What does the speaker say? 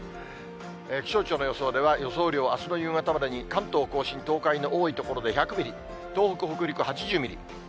気象庁の予想では、予想雨量、あすの夕方までに関東甲信、東海の多い所で１００ミリ、東北、北陸８０ミリ。